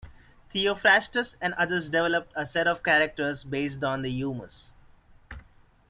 Theophrastus and others developed a set of characters based on the humors.